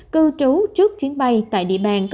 cư trú trước chuyến bay tại địa bàn